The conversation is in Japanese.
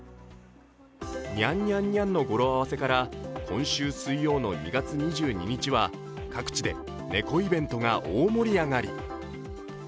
ニャンニャンニャンの語呂合わせから今週水曜の２月２２日は各地で猫イベントが大盛り上がり。